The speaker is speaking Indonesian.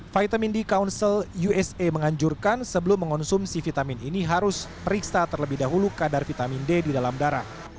vitamin d council usa menganjurkan sebelum mengonsumsi vitamin ini harus periksa terlebih dahulu kadar vitamin d di dalam darah